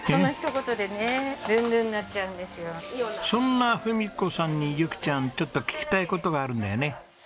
そんな文子さんにゆきちゃんちょっと聞きたい事があるんだよね？